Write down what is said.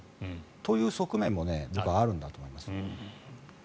そういう側面もあるんだと思います。